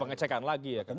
pengecekan lagi ya kak aceh